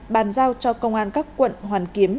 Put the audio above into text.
bàn giao cho công an các quận hoàn kiếm